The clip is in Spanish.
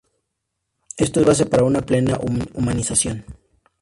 Esto es base para una plena humanización.